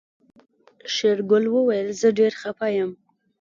شېرګل وويل زه ډېر خپه يم.